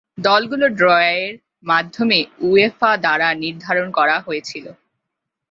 দলগুলো ড্রয়ের মাধ্যমে উয়েফা দ্বারা নির্ধারণ করা হয়েছিল।